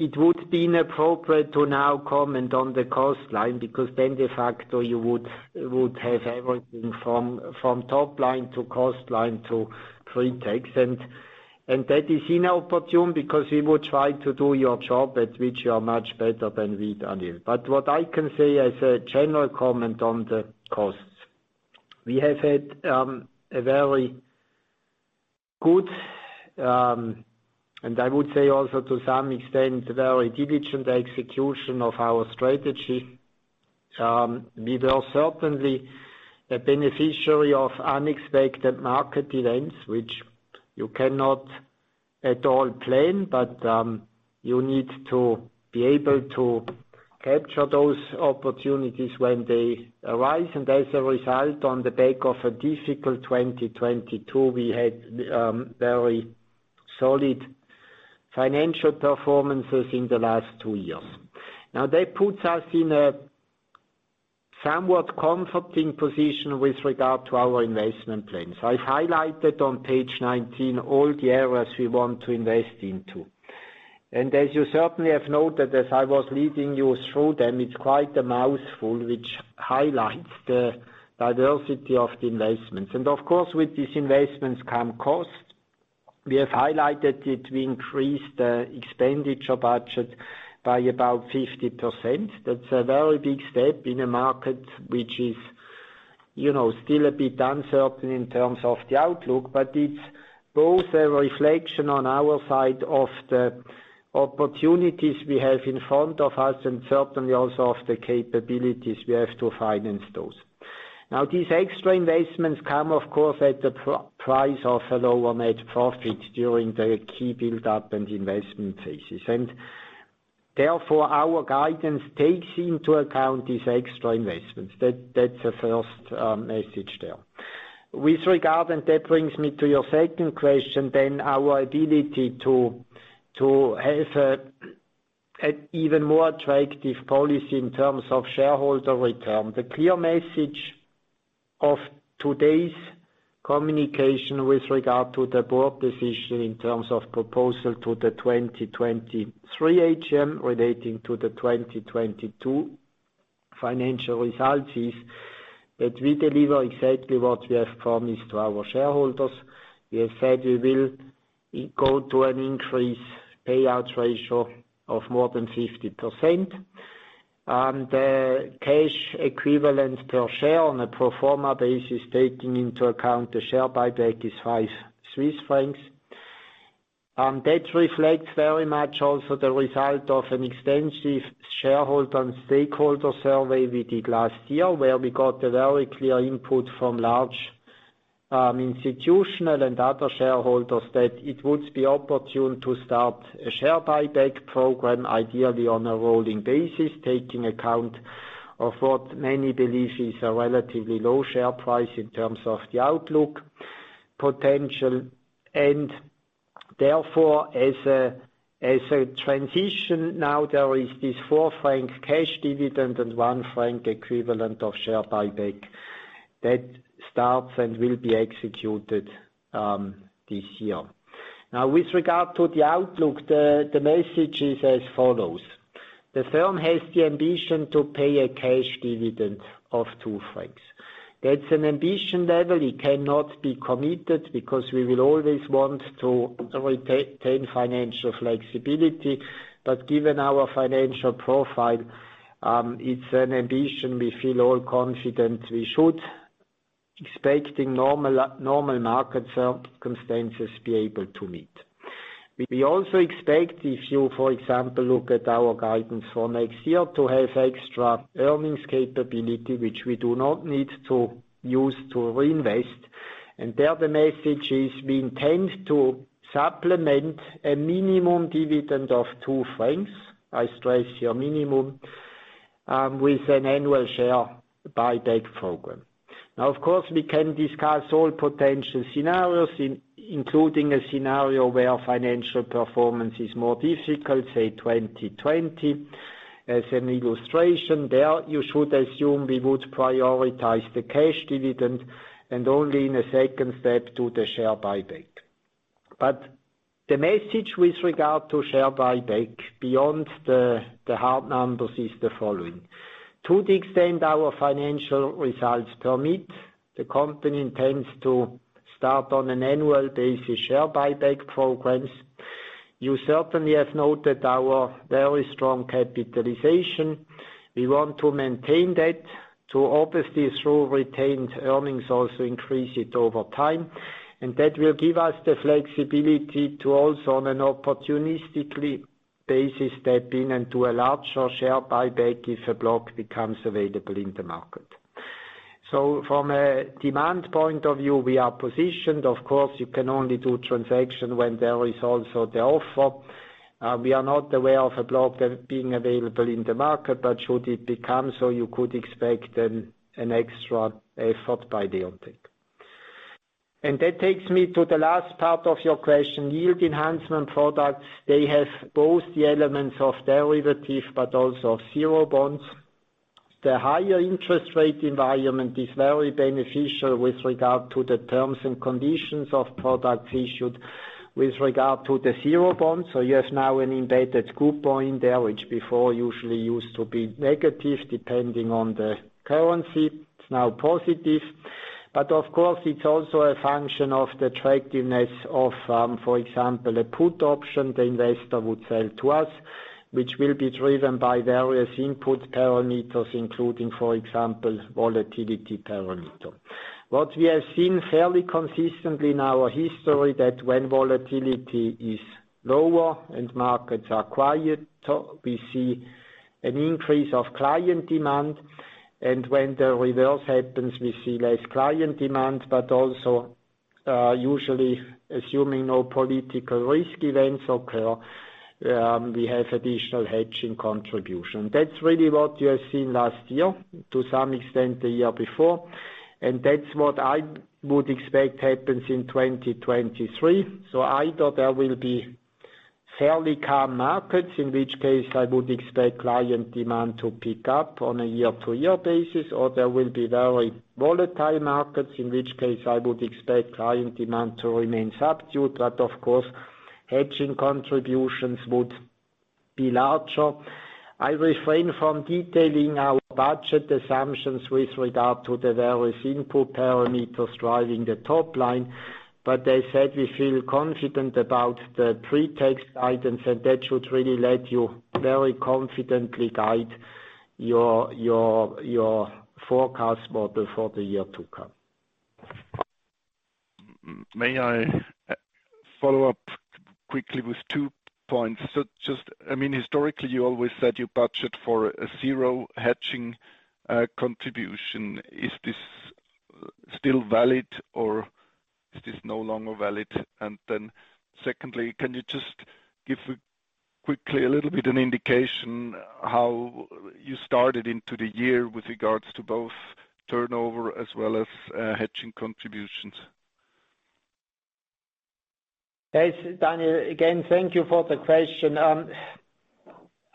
It would be inappropriate to now comment on the cost line because then de facto you would have everything from top line to cost line to pre-tax. That is inopportune because we would try to do your job at which you are much better than we, Daniel. What I can say as a general comment on the costs, we have had a very good, and I would say also to some extent, very diligent execution of our strategy. We were certainly a beneficiary of unexpected market events which you cannot at all plan, but you need to be able to capture those opportunities when they arise. As a result, on the back of a difficult 2022, we had very solid financial performances in the last two years. Now, that puts us in a somewhat comforting position with regard to our investment plans. I've highlighted on page 19 all the areas we want to invest into. As you certainly have noted, as I was leading you through them, it's quite a mouthful which highlights the diversity of the investments. Of course, with these investments come cost. We have highlighted it. We increased the expenditure budget by about 50%. That's a very big step in a market which is, you know, still a bit uncertain in terms of the outlook, but it's both a reflection on our side of the opportunities we have in front of us and certainly also of the capabilities we have to finance those. Now, these extra investments come, of course, at the price of a lower net profit during the key build-up and investment phases. Therefore, our guidance takes into account these extra investments. That's the first message there. With regard, that brings me to your second question then, our ability to have an even more attractive policy in terms of shareholder return. The clear message of today's communication with regard to the board decision in terms of proposal to the 2023 AGM relating to the 2022 financial results is that we deliver exactly what we have promised to our shareholders. We have said we will go to an increased payout ratio of more than 50%. Cash equivalent per share on a pro forma basis, taking into account the share buyback, is 5 Swiss francs. That reflects very much also the result of an extensive shareholder and stakeholder survey we did last year, where we got a very clear input from large institutional and other shareholders that it would be opportune to start a share buyback program, ideally on a rolling basis, taking account of what many believe is a relatively low share price in terms of the outlook potential. Therefore, as a transition, now there is this 4 franc cash dividend and 1 franc equivalent of share buyback. That starts and will be executed this year. With regard to the outlook, the message is as follows: The firm has the ambition to pay a cash dividend of 2 francs. That's an ambition level. It cannot be committed because we will always want to retain financial flexibility. Given our financial profile, it's an ambition we feel all confident we should, expecting normal market circumstances be able to meet. We also expect if you, for example, look at our guidance for next year to have extra earnings capability, which we do not need to use to reinvest. There the message is we intend to supplement a minimum dividend of 2 francs, I stress here minimum, with an annual share buyback program. Of course, we can discuss all potential scenarios, including a scenario where financial performance is more difficult, say, 2020 as an illustration. There you should assume we would prioritize the cash dividend and only in a second step do the share buyback. The message with regard to share buyback beyond the hard numbers is the following: To the extent our financial results permit, the company intends to start on an annual basis share buyback programs. You certainly have noted our very strong capitalization. We want to maintain that to obviously through retained earnings, also increase it over time. That will give us the flexibility to also on an opportunistically basis step in and do a larger share buyback if a block becomes available in the market. From a demand point of view, we are positioned. Of course, you can only do transaction when there is also the offer. We are not aware of a block that being available in the market, but should it become so, you could expect an extra effort by Leonteq. That takes me to the last part of your question, yield enhancement products. They have both the elements of derivative, but also zero bonds. The higher interest rate environment is very beneficial with regard to the terms and conditions of products issued with regard to the zero bonds. You have now an embedded coupon there, which before usually used to be negative, depending on the currency. It's now positive. It's also a function of the attractiveness of, for example, a put option the investor would sell to us, which will be driven by various input parameters, including, for example, volatility parameter. What we have seen fairly consistently in our history that when volatility is lower and markets are quiet, we see an increase of client demand. When the reverse happens, we see less client demand, but also, usually assuming no political risk events occur, we have additional hedging contribution. That's really what you have seen last year, to some extent the year before. That's what I would expect happens in 2023. Either there will be fairly calm markets, in which case I would expect client demand to pick up on a year-to-year basis, or there will be very volatile markets, in which case I would expect client demand to remain subdued. Of course, hedging contributions would be larger. I refrain from detailing our budget assumptions with regard to the various input parameters driving the top line, but as said we feel confident about the pre-tax items, and that should really let you very confidently guide your forecast model for the year to come.
May I follow up quickly with two points? Just, I mean, historically, you always said you budget for a zero hedging contribution. Is this still valid, or is this no longer valid? Secondly, can you just give, quickly, a little bit an indication how you started into the year with regards to both turnover as well as hedging contributions?
Daniel. Again, thank you for the question.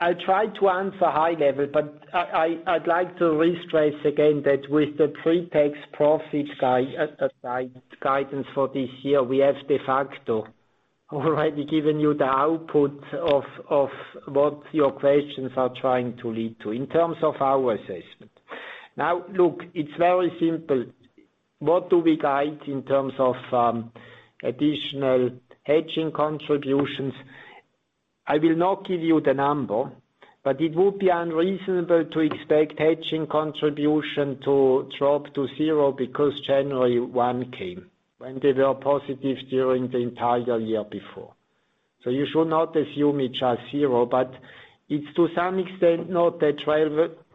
I'd try to answer high level, but I'd like to re-stress again that with the pre-tax profit guidance for this year, we have de facto already given you the output of what your questions are trying to lead to in terms of our assessment. Look, it's very simple. What do we guide in terms of additional hedging contributions? I will not give you the number, but it would be unreasonable to expect hedging contribution to drop to zero because January one came, when they were positive during the entire year before. You should not assume it's just zero, but it's to some extent not that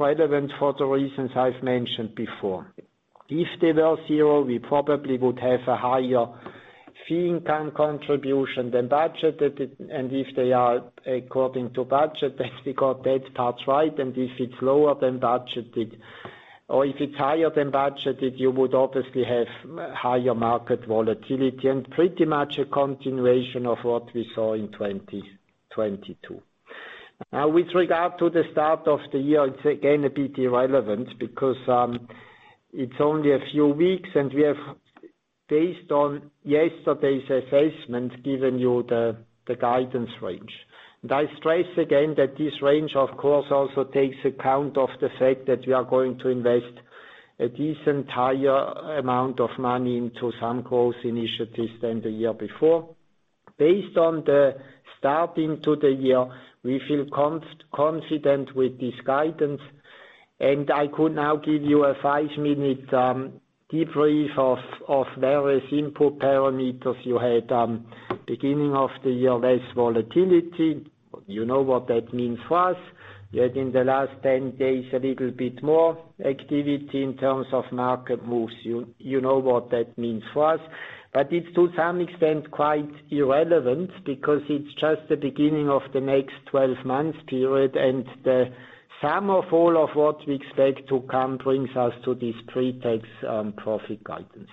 relevant for the reasons I've mentioned before. If they were zero, we probably would have a higher fee income contribution than budgeted, and if they are according to budget, that's because that's part, right. If it's lower than budgeted or if it's higher than budgeted, you would obviously have higher market volatility and pretty much a continuation of what we saw in 2022. With regard to the start of the year, it's again a bit irrelevant because it's only a few weeks, and we have, based on yesterday's assessment, given you the guidance range. I stress again that this range, of course, also takes account of the fact that we are going to invest a decent higher amount of money into some growth initiatives than the year before. Based on the starting to the year, we feel confident with this guidance, and I could now give you a five-minute debrief of various input parameters you had beginning of the year, less volatility. You know what that means for us. In the last 10 days, a little bit more activity in terms of market moves. You know what that means for us. It's to some extent quite irrelevant because it's just the beginning of the next 12 months period, and the sum of all of what we expect to come brings us to this pre-tax profit guidance.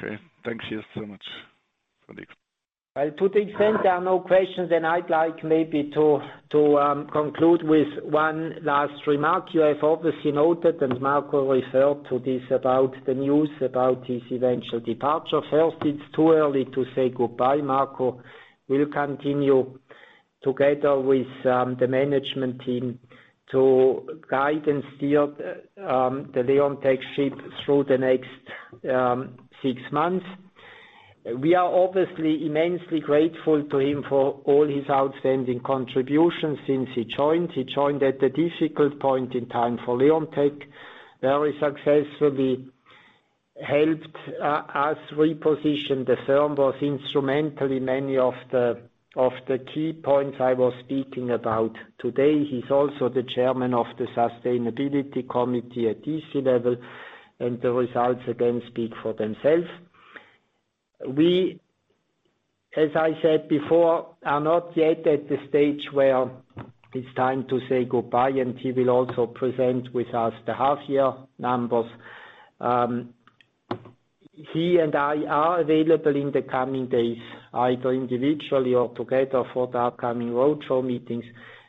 Okay. Thanks so much, Friedrich.
I'll to the extent there are no questions, I'd like maybe to conclude with one last remark. You have obviously noted, Marco referred to this, about the news about his eventual departure. First, it's too early to say goodbye, Marco. We'll continue together with the management team to guide and steer the Leonteq ship through the next six months. We are obviously immensely grateful to him for all his outstanding contributions since he joined. He joined at a difficult point in time for Leonteq, very successfully helped us reposition the firm, was instrumental in many of the key points I was speaking about today. He's also the chairman of the sustainability committee at EC level, the results, again, speak for themselves. We, as I said before, are not yet at the stage where it's time to say goodbye, and he will also present with us the half-year numbers. He and I are available in the coming days, either individually or together for the upcoming roadshow meetings,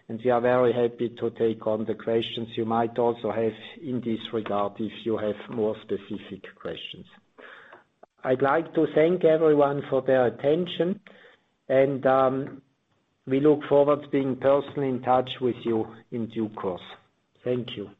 and we are very happy to take on the questions you might also have in this regard, if you have more specific questions. I'd like to thank everyone for their attention and we look forward to being personally in touch with you in due course. Thank you.